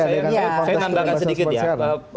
saya nambahkan sedikit ya